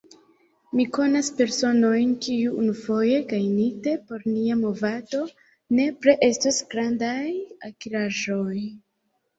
Mi konas personojn, kiuj, unufoje gajnite por nia movado, nepre estos grandaj akiraĵoj.